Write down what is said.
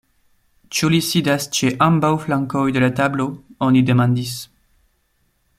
Ĉu li sidas ĉe ambaŭ flankoj de la tablo, oni demandis.